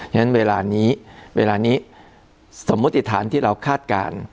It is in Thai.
ฉะนั้นเวลานี้เวลานี้สมมุติฐานที่เราคาดการณ์